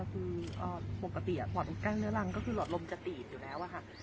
คือปกติหมดที่เก้าเนื้อรังก็คือหลอดลมจะตีดอยู่แล้ว